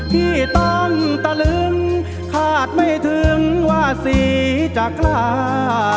ที่ต้องตะลึงคาดไม่ถึงว่าสีจะกล้า